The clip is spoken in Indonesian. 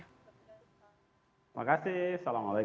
terima kasih salam alaikum